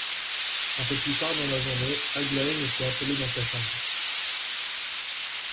Un peu plus tard dans la journée, Aglaé me fait appeler dans sa chambre.